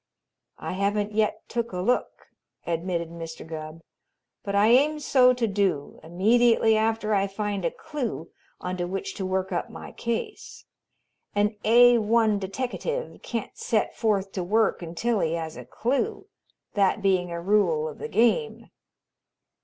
"I haven't yet took a look," admitted Mr. Gubb, "but I aim so to do immediately after I find a clue onto which to work up my case. An A 1 deteckative can't set forth to work until he has a clue, that being a rule of the game."